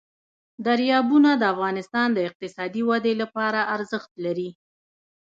دریابونه د افغانستان د اقتصادي ودې لپاره ارزښت لري.